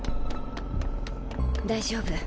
大丈夫。